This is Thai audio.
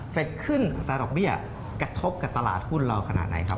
ขึ้นอัตราดอกเบี้ยกระทบกับตลาดหุ้นเราขนาดไหนครับ